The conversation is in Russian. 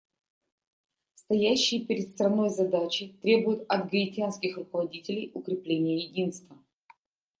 Стоящие перед страной задачи требуют от гаитянских руководителей укрепления единства.